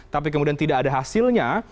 tapi kemudian tidak ada hasilnya